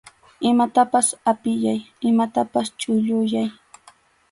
Imatapas apiyay, imatapas chulluyay.